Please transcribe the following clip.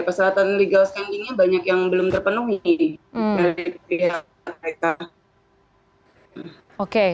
peselatan legal scan ini banyak yang belum terpenuhi